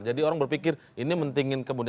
jadi orang berpikir ini mentingin kepentingan